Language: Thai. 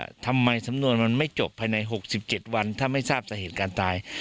ทำไมสำนวนมันไม่จบภายใน๖๗วันถ้าไม่ทราบสาเหตุการตาย